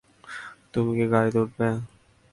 তুমি কি গাড়িতে উঠবে?